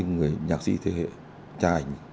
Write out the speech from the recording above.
mỗi lúc đi xa